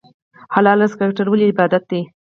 حلال رزق ګټل ولې عبادت دی؟